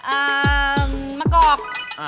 เอ่อมะกรอก